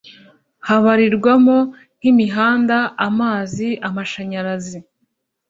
habarirwamo nk'imihanda, amazi, amashanyarazi,..